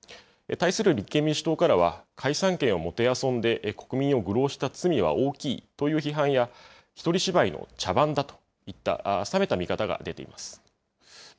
対する立憲民主党からは、解散権をもてあそんで、国民を愚弄した罪は大きいという批判や、一人芝居の茶番だといった冷めた見方が出ています。